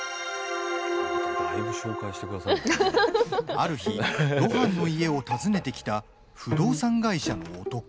ある日、露伴の家を訪ねてきた不動産会社の男。